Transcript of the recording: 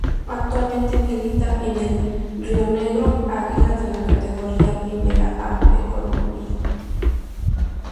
Actualmente milita en el Rionegro Águilas de la Categoría Primera A de Colombia.